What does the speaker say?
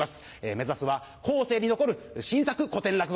目指すは後世に残る新作古典落語。